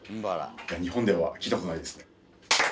日本では聞いたことないですね。